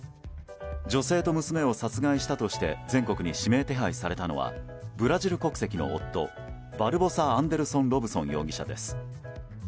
女性と娘を殺害したとして全国に指名手配されたのはブラジル国籍の夫バルボサ・アンデルソン・ロブソン容疑者です。